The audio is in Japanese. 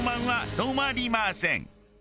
止まりません。